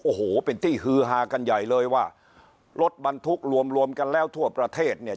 โอ้โหเป็นที่ฮือฮากันใหญ่เลยว่ารถบรรทุกรวมรวมกันแล้วทั่วประเทศเนี่ย